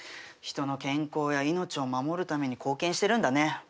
人の健康や命を守るために貢献してるんだね。